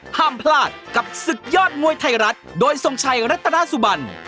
ห้ามพลาดกับศึกยอดมวยไทยรัฐโดยทรงชัยรัตนาสุบัน